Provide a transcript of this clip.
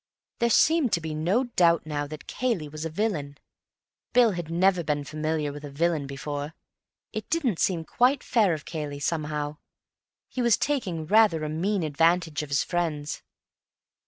There seemed to be no doubt now that Cayley was a villain. Bill had never been familiar with a villain before. It didn't seem quite fair of Cayley, somehow; he was taking rather a mean advantage of his friends.